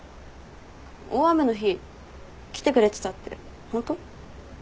大雨の日来てくれてたってホント？